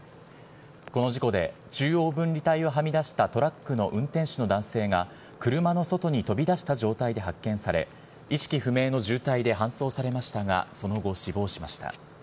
この事故で、中央分離帯をはみ出したトラックの運転手の男性が車の外に飛び出した状態で発見され、意識不明の重体で搬送されましたが、その後、死亡しました。